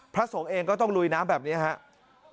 พระสงฆ์เองก็ต้องลุยน้ำแบบนี้ครับ